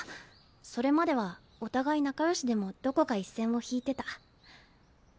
それまではお互い仲よしでもどこか一線を引いてた。